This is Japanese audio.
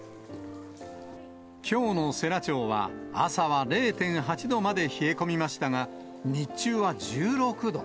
きょうの世羅町は、朝は０．８度まで冷え込みましたが、日中は１６度。